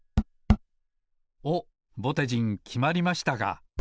おっぼてじんきまりましたか。